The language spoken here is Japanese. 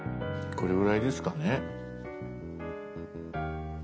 これぐらいですかね。